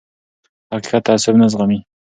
حقیقت تعصب نه زغمي